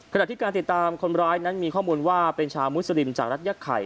ขณะที่การติดตามคนร้ายนั้นมีข้อมูลว่าเป็นชาวมุสลิมจากรัฐยะไข่